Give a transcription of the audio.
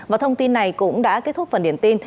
và thông tin này cũng đã kết thúc phần điểm tin